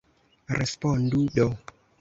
Respondu do!